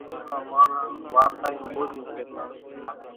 اڳيَ نان ماڻۿان وارتاريون ٻورِيون ڪيتان۔